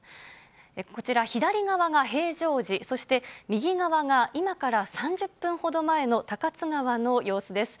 こちら、左側が平常時、そして右側が今から３０分ほど前の高津川の様子です。